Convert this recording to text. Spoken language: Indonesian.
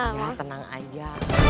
iya tenang aja